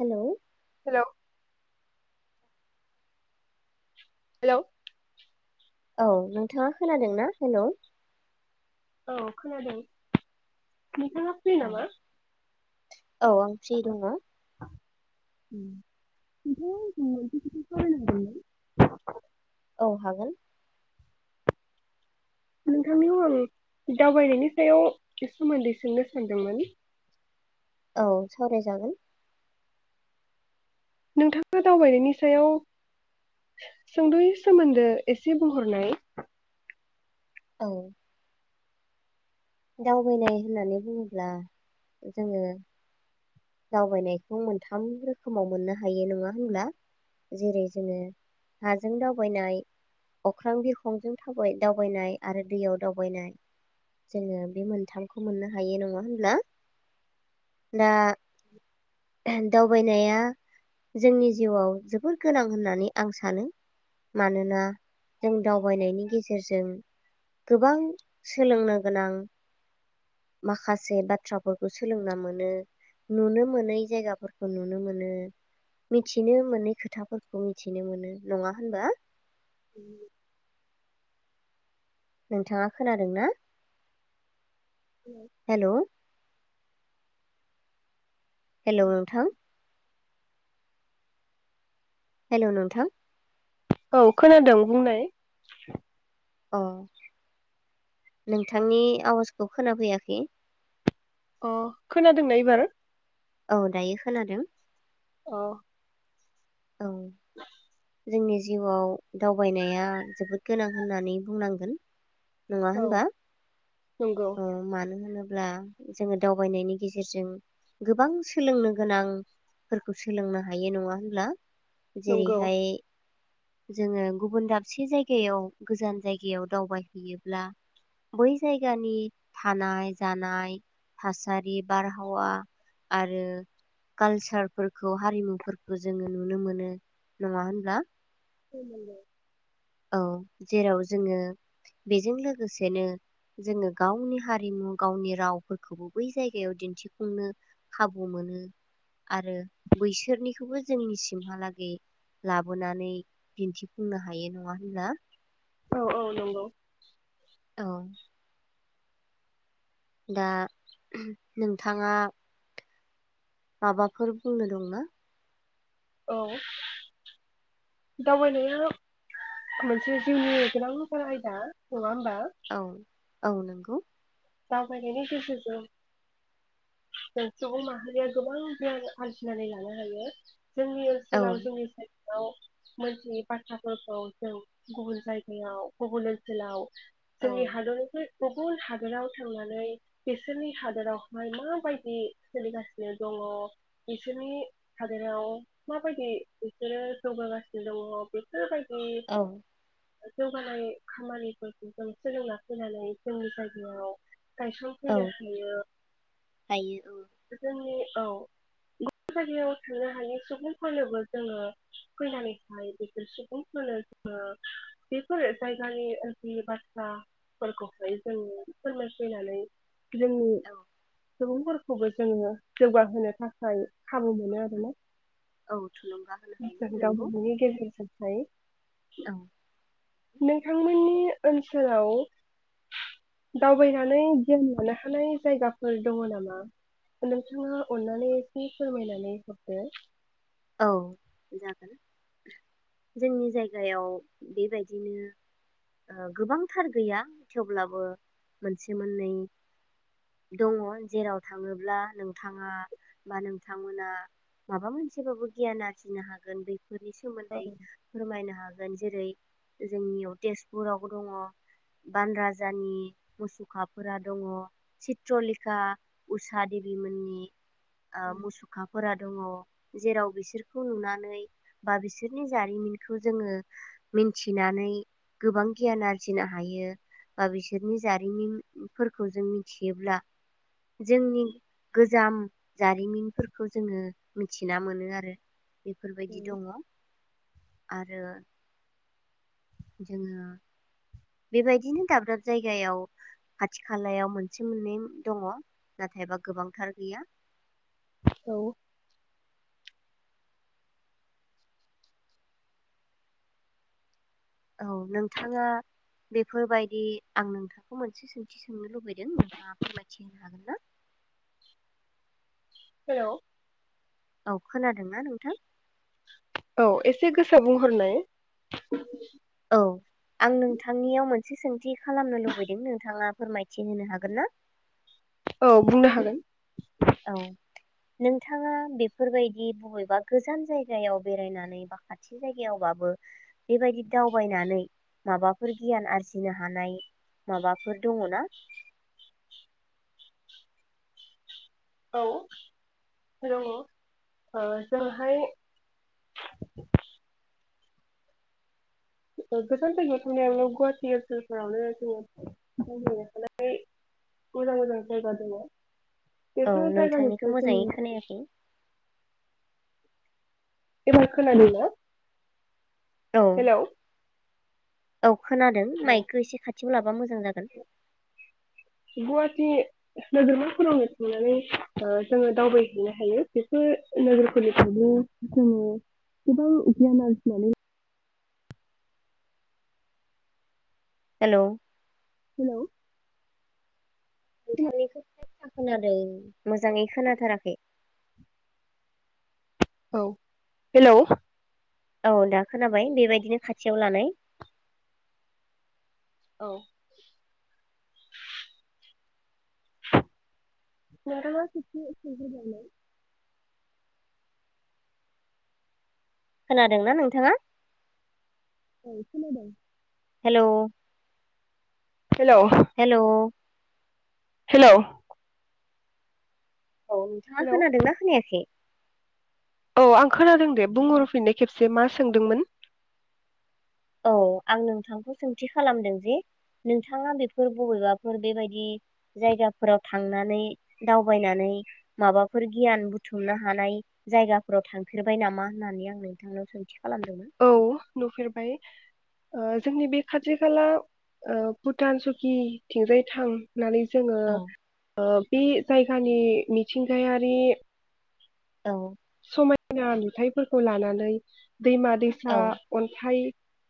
हेल हेल हेल औ नोंथाङा खोनादोंना हेलौ औ खोनादों नोंथाङा फ्रि औ नामा? औ आं फ्रि दङ [unintelligible] औ हागोन नोंथांनियाव आं दावबायनायनि सायाव सोमोन्दै सोंनो सानदोंमोन औ सावरायजागोन नोंथाङा दावबायनायनि सायाव सोंदयै सोमोन्दो एसे बुंहरनाय औ दावबायनाय होननानै बुङोब्ला जोङो दावबायनायखौ मोनथाम रोखोमाव मोननो हायो नङा होनब्ला जेरै जोङो हाजों दावबायनाय अख्रां बिरखंजों दावबायनाय आरो दैयाव दावबायनाय जोङो बे मोनथामखौ मोननो हायो नङा होनब्ला दा दावबायनाया जोंनि जिउआव जोबोर गोनां होननानै आं सानो मानोना जों दावबायनायनि गेजेरजों गोबां सोलोंनो गोनां माखासे बाथ्राफोरखौ सोलोंना मोनो नुनो मोनै जायगाफोरखौ नुनो मोनो मिथिनो मोनै खोथाफोरखौ मिथिनो मोनो नङा होनबा उ नोंथाङा खोनादों ना हेल हेल नोंथां हेल नोथां औ खोनादों बुंनाय अ नोंथांनि आवाजखौ खोनाफैयाखै अ खोनादोंना एबार औ दायो खोनादों औ औ जोंनि जिउआव दावबायनाया जोबोद गोनां होननानै बुंनांगोन नङा औ होनबा नंगौ अ मानो होनोब्ला अब्ला जोङो दावबायनायनि गेजेरजों गोबां सोलोंनो गोनांफोरखौ सोलोंनो हायो नङा होनब्ला नंगौ जेरैहाय जोङो गुबुन दाबसे जायगायाव गोजान जायगायाव दावबायहैयोब्ला बै जायगानि थानाय जानाय थासारि बारहावा आरो कालसारफोर खौ हारिमुफोरखौ जोङो नुनो नुनो मोनो नङा होनब्ला ओ नंगौ औ जेराव जोङो बेजों लोगोसेनो जोङो गावनि हारिमु गावनि रावफोरखौबो बै जायगायाव दिन्थिफुंनो खाबु मोनो आरो बैसोरनिखौबो जोंनिसिमहालागै लाबोनानै दिन्थिफुंनो हायो नङा बिना औ औ नंगौ औ दा नोंथाङा माबाफोर बुंनो दंना? औ दावबायनाया मोनसे जिउनि गोनांथार आयदा नङा होम बा औ औ नंगौ दावबायनायनि गेजेरजों जों सुबुं माहारिया गोबां गियान आरजिनानै लानो हायो जोंनि औ ओनसोलाव जोंनि मोनथियै बाथ्राफोरखौ जों गुबुन जायगायाव गुबुन ओनसोलाव औ जोंनि हादरफोर गुबुन हादराव थांनानै बिसोरनि हादोरावहाय माबायदि सोलिगासिनो दङ, बिसोरनि हादोराव माबायदि बिसोरो जौगागासिनो दङ बेफोरबायदि औ जौगानाय खामानिफोरखौ जों सोलोंना फैनानै जोंनि जायगायाव औ गायसंफैनो हायो हायो औ जोंनि औ गुबुन जायगायाव थांनो हायि सुबुंफोरनोबो जोङो फैनानैहाय बेफोर सुबुंफोरनो जोङो बेफोर जायगानि ओनसोलनि बाथ्राफोरखौहाय जों फोरमाय फैनानै जोंनि औ सुबुंफोरखौबो जोङो जौगाहोनो थाखाय खाबु मोनो आरोना औ थुलुंगा होनो हायो नोंगौ हायो औ नोंथांमोननि ओनसोलाव दावबायनानै गियान लानो हानाय जायगाफोर दङ नामा? नोंथाङा अन्नानै एसे फोरमायनानै हरदो। औ जागोन जोंनि जायगायाव बेबायदिनो ओ गोबांथार गैया थेवब्लाबो मोनसे मोननै दङ जेराव थाङोब्ला नोंथाङा बा नोंथांमोना माबा मोन सेबाबो गियान आरजिनो हागोन बै फोरनि सोमोन्दै हरदो फोरमायनो हागोन जेरै जोंनियाव तेजपुरावबो दङ' बान राजानि मुसुखाफोरा दङ' चित्रलिखा उषा देबिमोननि ओ मुसुखाफोरा दङ'। जेराव बिसोरखौ नुनानै बा बिसोरनि जारिमिनखौ जोङो मिनथिनानै गोबां गियान आरजिनो हायो बा बिसोरनि जारिमिनफोरखौ जों मिथियोब्ला जोंनि गोजाम जारिमिनफोरखौ जोङो मिनथिना मोनो आरो। बे फोरबायदि दङ'। आरो जोङो बेबायदिनो दाब दाब जायगायाव खाथि खालायाव मोनसे मोननै दङ' नाथायबा गोबांथार गैया। औ औ नोंथाङा बेफोरबायदि आं नोंथांखौ मोनसे सोंथि सोंनो लुबैदों। नोंथाङा फोरमायथि होनो हागोन ना? हेलौ औ खोनादोंना नोंथां? औ एसे गोसो बुंहरनाय। औ आं नोंथांनियाव मोनसे सोंथि खालामनो लुबैदों नोंथाङा फोरमायथि होनो हागोन ना? औ बुंनो हागोन। औ नोंथाङा बेफोरबायदि बबेबा गोजान जायगायाव बेरायनानै बा खाथि जायगायावबाबो बेबायदि दावबायनानै माबाफोर गियान आरजिनो हानाय माबाफोर दङ ना? औ दङ ओ जोंहाय ओ गोजान जायगायाव थानायांनायाव गुवाहाटि ओनसोलफोरावनो जोङो बुंनो हानाय मोजां मोजां जायगा दङ। औ बेफोर जायगानि नोंथांनिखौ सायाव मोजाङै जों खोनायाखै। एबार खोनादों ना? औ हेलौ औ खोनादों औ माइकखो एसे खाथ थियाव लाबा मो गुवाहाटि नोगोरमाफोरावनो थांनानै ओ जोङो दावबायहैनो हायो बेफोर नोगोरफोरनिफ्रायनो जोङो गोबां गियान आरजिनानै हेलौ हेलौ [unintelligible] खोनादों मोजाङै खोनाथाराखै। औ हेलौ औ दा खोनाबाय बेबायदिनो खाथियाव लानाय। औ। [unintelligible] खोनादोंना नोंथाङा? औ खोनदों। हेलौ हेल' हेल' हेलौ औ नोंथाङा हेलौ खोनादोंना खोनायाखै औ आं खोनादों दे बुंहरफिननो खेबसे मा सोंदोंमोन औ आं नोंथांखौ सोंथि खालामदों जे नोंथाङा बेफोर बबेबाफोर बेबायदि जायगाफोराव थांनानै दावबायनानै माबाफोर गियान बुथुमनो हानाय जायगाफोराव थांफेरबाय नामा होननानै आं नोंथांनाव सों औ नुफेरबाय जोंनि बे खाथि खाला भुटान सकिथिंजाय थां नानै जोङो औ बे जायगानि मिथिंगायारि औ समायना नुथायाइफोरखौ लानानै दैमा दैसा औ अन्थाइ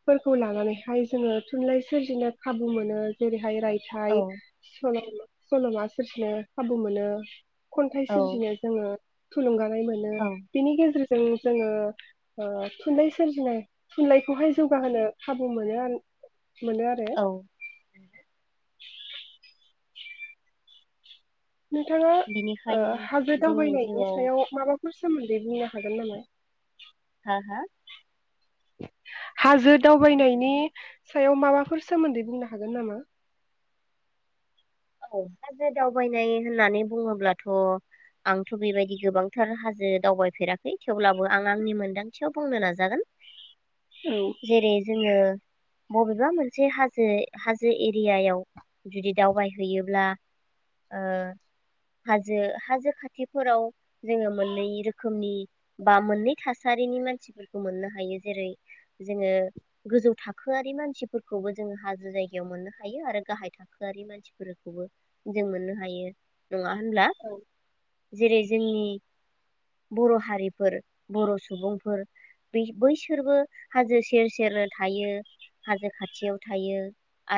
फोरखौ लानानैहाय जोङो थुनलाइ सोरजिनो खाबु मोनो जेरै हाय रायथाइ औ [unintelligible] सल'मा सोरफनो खाबु मोनो खन्थाइ सोरजिनो जोङो थुलुंगानाय मोन औ बिनि गेजेर जों जोङो थुनलाइ सोरजिनाय थुनलाइखौहाय जौगाहोनो खाबु मोनो आरो मोनो आरो औ नोंथाङा बिनिखायनो हाजो जोंनि दावबायनायनि जिउआव सायाव माबा मा सोमोन्दै बुंनो हागोन नामा हा हा हाजो दावबायनायनि सायाव माबाफोर सोमोन्दै बुंनो हागोन नामा? औ हाजो दावबायनाय होननानै बुङोब्लाथ' आंथ' बेबायदि गोबांथार हाजो दावबायफेराखै थेवब्लाबो आं आंनि मोनदांथियाव बुंनो नाजागोन। औ जेरै जोङो बबेबा मोनसे हाजो हाजो एरियायाव जुदि दावबाय हैयोब्ला हाजो हाजो खाथिफोराव जोङो मोननै रोखोमनि बा मोननै थासारिनि मानसिफोरखौ मोननो हायो जेरै जोङो गोजौ थाखोआरि मानसिफोरखौबो जोङो हाजो जायगायाव मोननो हायो आरो गाहाय थाखोआरि मानसि फोरखौबो जों मोननो हायो नङा होनब्ला जेरै जोंनि बर' हारिफोर बर' सुबुंफोर बैसोरबो हाजो सेर सेरनो थायो हाजो खाथियाव थायो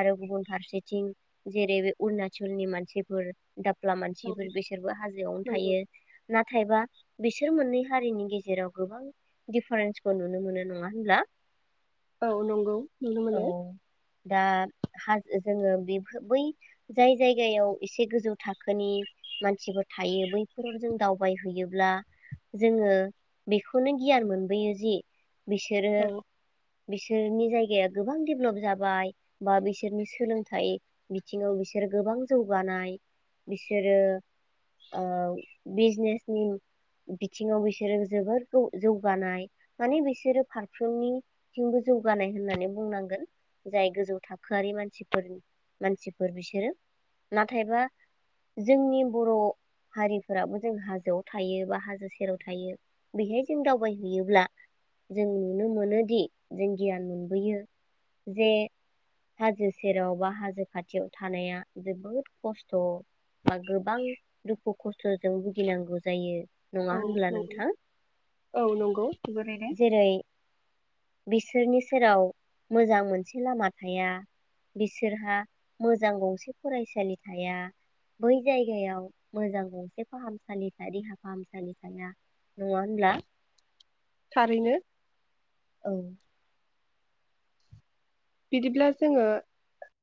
आरो गुबुन फारसेथिं जेरै अरुणचलनि मानसिफोर दाफ्ला औ मानसिफोर बिसोरबो हाजोआवनो औ नंगौ थायो नाथाय नाथायबा बिसोर मोननै हारिनि गेजेराव गोबां दिफारेन्सखौ नुनो मोनो नङा होनब्ला औ नंगौ नुनो मोनो औ दा हाजो जोङो बे बै जाय जायगायाव एसे गोजौ थाखोनि मानसिफोर थायो बैफोराव जों दावबायहैयोब्ला जोङो बेखौनो गियान मोनबोयो जे बिसोरो औ बिसोरनि जायगाया गोबां डेभेलप जाबाय बा बिसोरनि सोलोंथाइ बिथिङाव बिसोर बिसोर गोबां जौगानाय बिसोरो बिजनेसनि बिथिङाव बिसोरो जोबोर जौगानाय माने बिसोरो फारफ्रोमनिथिंबो जौगानाय होननानै बुंनांगोन जाय गोजौ थाखोआरि मानसिफोरनि मानसिफोर बिसोर बिसोरो नाथायबा जोंनि बर' हारिफोराबो जों हाजोआव थायो बा हाजो सेराव थायो बेहाय जों दावबायहैयोब्ला जों नुनो मोनोदि जों गियान मोनबोयो जे हाजो सेराव बा हाजो खाथियाव। थानाया जोबोद खस्थ' बा गोबां दुखु खस्थ' खसथजों भुगिनांगौ जायो नङा औ होनब्ला नंगौ नोंथां औ नंगौ जोबोरैनो जेरै बिसोरनि सेराव मोजां मोनसे लामा थाया बिसोरहा मोजां गंसे फरायसालि थाया बै जायगायाव मोजां गंसे फाहामसालिफ देहा फाहामसालि थाया नङा होनब्ला थारैनो औ बिदिब्ला जोङो